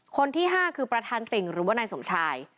คนที่๕คือประธานติ่งหรือว่านายสมชาย